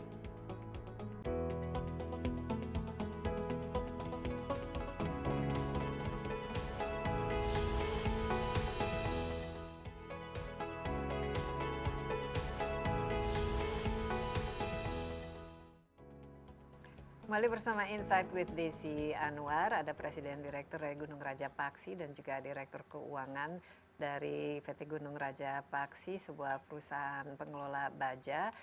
kembali bersama insight with desi anwar ada presiden direktur gunung raja paksi dan juga direktur keuangan dari pt gunung raja paksi sebuah perusahaan pengelola baja